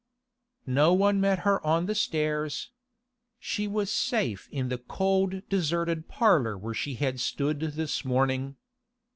No one met her on the stairs. She was safe in the cold deserted parlour where she had stood this morning.